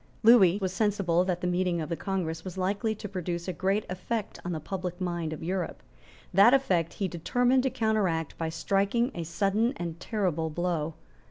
Lewis was sensible that the meeting of the Congress was likely to produce a great effect on the public mind of Europe. That effect he determined to counteract by striking a sudden and terrible blow.